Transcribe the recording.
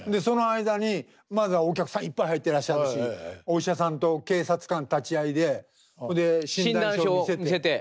その間にまずはお客さんいっぱい入ってらっしゃるしお医者さんと警察官立ち会いで診断書を見せて。